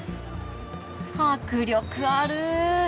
迫力ある！